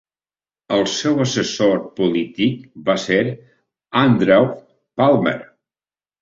El seu assessor polític va ser Andrew Palmer.